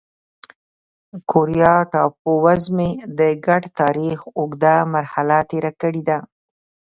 کوریا ټاپو وزمې د ګډ تاریخ اوږده مرحله تېره کړې ده.